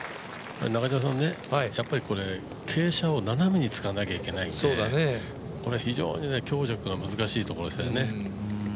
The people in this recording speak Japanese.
これ、傾斜を斜めに使わなきゃいけないんで非常に強弱が難しいところでしたね。